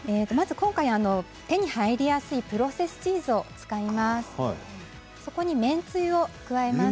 今回は手に入りやすいプロセスチーズを使います。